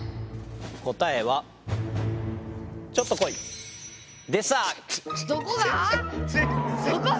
答えはどこが！